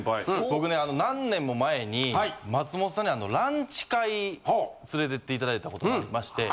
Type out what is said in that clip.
僕ね何年も前に松本さんにランチ会連れてって頂いた事がありまして。